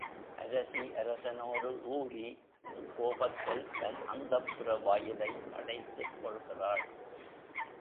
அரசி அரசனோடு ஊடி அக்கோபத்தில் தன் அந்தப்புர வாயிலை அடைத்துக் கொள்கிறாள்.